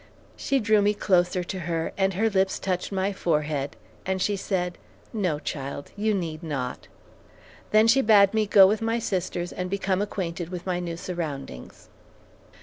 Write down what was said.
She drew me closer to her, and her lips touched my forehead, and she said, "No, child, you need not." Then she bade me go with my sisters and become acquainted with my new surroundings.